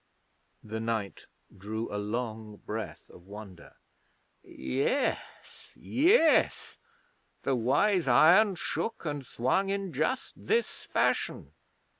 The knight drew a long breath of wonder. 'Yes, yes! The Wise Iron shook and swung in just this fashion.